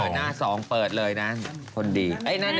หน้า๒เปิดเลยนะคนดี